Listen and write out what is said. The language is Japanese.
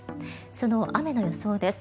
その雨の予想です。